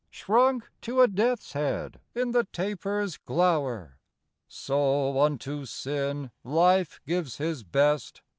Shrunk to a death's head in the taper's glower. So unto Sin Life gives his best.